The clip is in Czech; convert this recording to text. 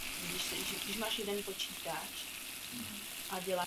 Jean Calvin zastával v tomto sporu kompromisní stanovisko.